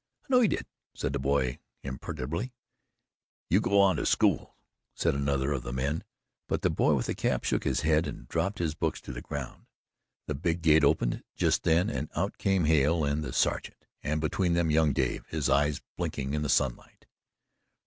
"I know you did," said the boy imperturbably. "You go on to school," said another of the men, but the boy with the cap shook his head and dropped his books to the ground. The big gate opened just then and out came Hale and the sergeant, and between them young Dave his eyes blinking in the sunlight.